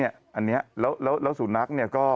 อันนี้แล้วสูตรนักษ์ก็